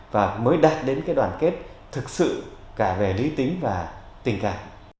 và mới đạt đến cái đoàn kết thực sự cả về lý tính và tình cảm